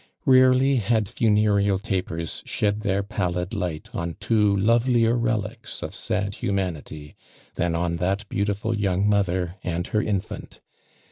Rarely had funereal tapers shed their pallid light on two lovelier relics of sad humanity that on that beautiful young mother and her infant.